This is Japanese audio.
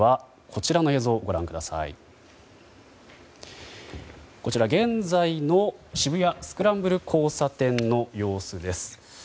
こちら、現在の渋谷スクランブル交差点の様子です。